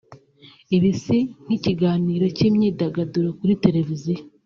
Ibi si nk’ikiganiro cy’imyidagaduro kuri televiziyo